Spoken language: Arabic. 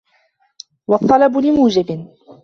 وَالطَّلَبُ لِمُوجِبٍ